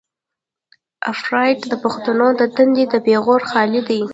افراطيت د پښتنو د تندي د پېغور خال دی.